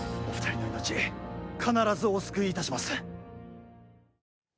お二人の命必ずお救いいたします。